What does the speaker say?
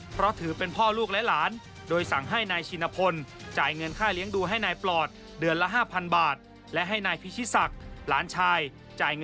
เพราะถือเป็นพ่อลูกและหลาน